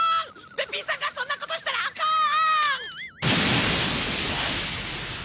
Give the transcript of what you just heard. ベッピンさんがそんなことしたらアカン！